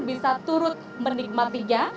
bisa turut menikmatinya